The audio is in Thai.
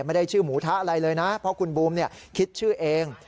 ไม่ได้ชื่อหมูทะอะไรเลยนะเพราะคุณบูมคิดชื่อเอง